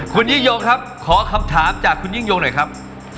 คุณยิ่งยงครับขอคำถามจากคุณยิ่งยงหน่อยครับ